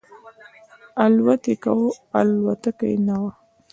الوت یې کاو الوتکه یې نه وه.